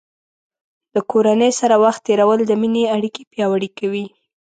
د کورنۍ سره وخت تیرول د مینې اړیکې پیاوړې کوي.